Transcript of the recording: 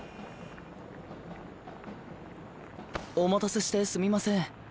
お待たせしてすみません。